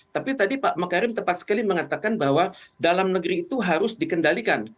tapi tadi pak makarim tepat sekali mengatakan bahwa dalam negeri itu harus dikendalikan